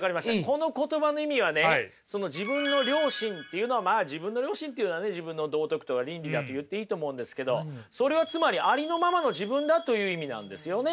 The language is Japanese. この言葉の意味はねその自分の良心っていうのはまあ自分の良心っていうのはね自分の道徳とか倫理だって言っていいと思うんですけどそれはつまりありのままの自分だという意味なんですよね。